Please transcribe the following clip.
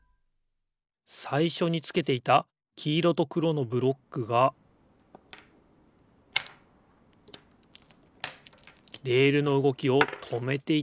さいしょにつけていたきいろとくろのブロックがレールのうごきをとめていたんですね。